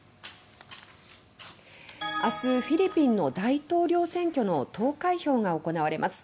明日、フィリピンの大統領選挙の投開票が行われます